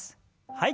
はい。